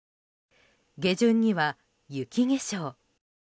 下旬には雪化粧。